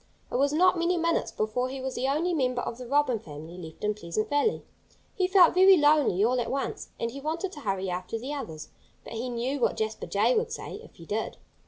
It was not many minutes before he was the only member of the Robin family left in Pleasant Valley. He felt very lonely, all at once. And he wanted to hurry after the others. But he knew what Jasper Jay would say, if he did.